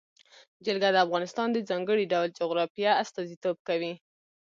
جلګه د افغانستان د ځانګړي ډول جغرافیه استازیتوب کوي.